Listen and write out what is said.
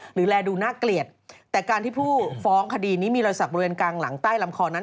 แลดูน่าเกลียดแต่การที่ผู้ฟ้องคดีนี้มีรอยสักบริเวณกลางหลังใต้ลำคอนั้น